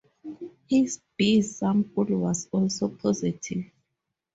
His "B" sample was also positive.